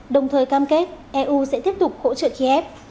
đồng thời cam kết eu sẽ tiếp tục hỗ trợ kiev